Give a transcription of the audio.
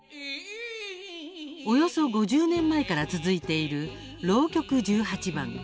およそ５０年前から続いている「浪曲十八番」。